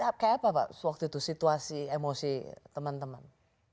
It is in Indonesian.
kayak apa pak waktu itu situasi emosi teman teman